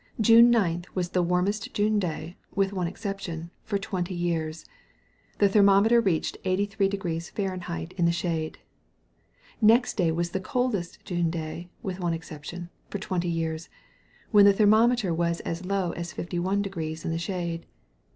June 9th was the warmest June day (with one exception) for twenty years. The thermometer reached 83° Fahr. in the shade. Next day was the coldest June day (with one exception) for twenty years, when the thermometer was as low as 51° in the shade.